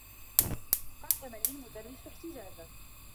قدّم لي المدرّس احتجازا.